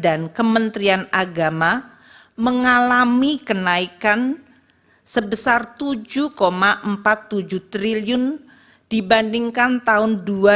dan kementrian agama mengalami kenaikan sebesar rp tujuh empat puluh tujuh triliun dibandingkan tahun dua ribu dua puluh tiga